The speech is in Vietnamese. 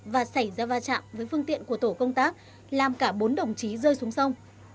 và xảy ra va chạm với phương tiện của tổ công tác làm cả bốn đồng chí rơi xuống sông